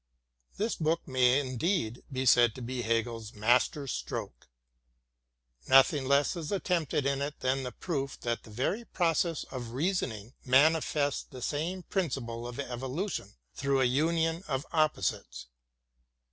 This book may indeed be said to be Hegel's mas ter stroke. Nothing less is attempted in it than the proof that the very process of reasoning manifests the same prin ciple of evolution through a union of opposites.